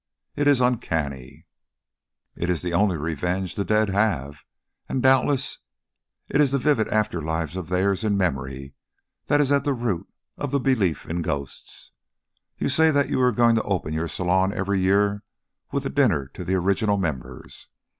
It is uncanny." "It is the only revenge the dead have; and doubtless it is this vivid after life of theirs in memory that is at the root of the belief in ghosts. You say that you are going to open your salon every year with a dinner to the original members.